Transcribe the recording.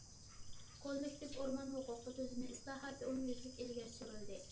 كوللېكتىپ ئورمان ھوقۇقى تۈزۈمى ئىسلاھاتى ئومۇميۈزلۈك ئىلگىرى سۈرۈلدى.